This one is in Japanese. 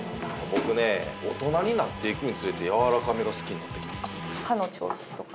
僕ね大人になっていくにつれてやわらかめが好きになってきてるんですよ。